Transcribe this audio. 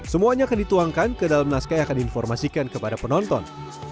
semuanya akan dituangkan ke dalam naskah yang akan diinformasikan kepada penonton